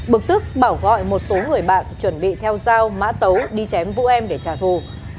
bực tức bảo gọi một số người bạn chuẩn bị theo dao mã tấu đi chém vũ em để trả thù